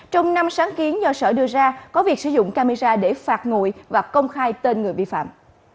trong năm sáng kiến do sở đưa ra có việc sử dụng camera để phạt ngồi và công khai tên người vi phạm